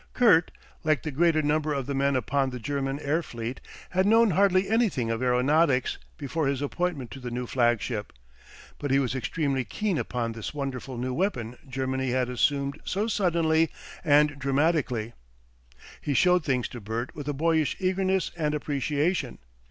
Kurt, like the greater number of the men upon the German air fleet, had known hardly anything of aeronautics before his appointment to the new flagship. But he was extremely keen upon this wonderful new weapon Germany had assumed so suddenly and dramatically. He showed things to Bert with a boyish eagerness and appreciation.